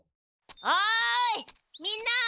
おいみんな！